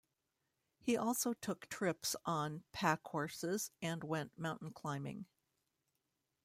He also took trips on pack horses and went mountain climbing.